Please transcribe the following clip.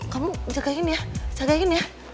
kamu jagain ya jagain ya